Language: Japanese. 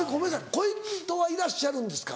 恋人はいらっしゃるんですか？